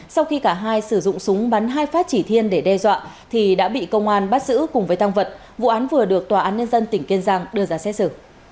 sau khi cả hai sử dụng súng bắn hai phát chỉ thiên để đe dọa thì đã bị công an bắt giữ cùng với tăng vật vụ án vừa được tòa án nhân dân tỉnh kiên giang đưa ra xét xử